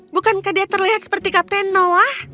bukankah dia terlihat seperti kapten noah